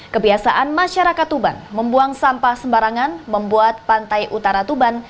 kebiasaan masyarakat tuban membuang sampah sembarangan membuat pantai utara tuban